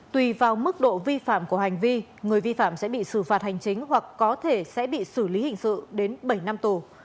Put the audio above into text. tùy vào mức độ vi phạm của hành vi người vi phạm sẽ bị xử phạt hành chính hoặc có thể sẽ bị xử lý hình sự đến bảy năm tù